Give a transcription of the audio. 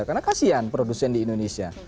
karena kasian produsen di indonesia